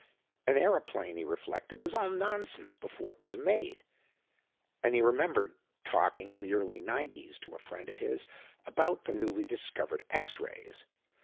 An aeroplane, he reflected, was all nonsense before it was made; and he remembered talking in the early nineties to a friend of his about the newly discovered X Rays.